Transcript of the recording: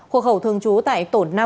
hộ khẩu thường trú tại tổ năm